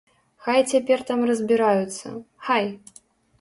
Хай цяпер там разбіраюцца, хай!